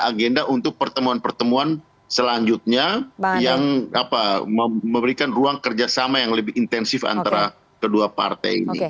agenda untuk pertemuan pertemuan selanjutnya yang memberikan ruang kerjasama yang lebih intensif antara kedua partai ini